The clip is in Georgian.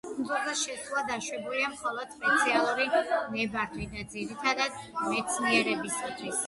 კუნძულზე შესვლა დაშვებულია მხოლოდ სპეციალური ნებართვით და ძირითადად მეცნიერებისათვის.